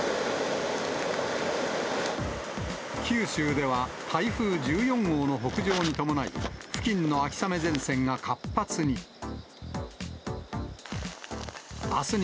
九州では台風１４号の北上に伴い、付近の秋雨前線が活発に。